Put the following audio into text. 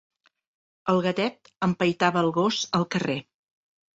El gatet empaitava el gos al carrer.